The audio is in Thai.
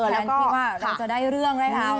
แน่นคิดว่าเราจะได้เรื่องด้วยคะ